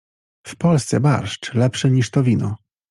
W Polsce barszcz lepszy niż to wino.